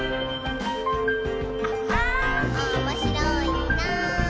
「おもしろいなぁ」